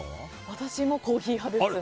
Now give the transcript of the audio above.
私もコーヒー派ですね。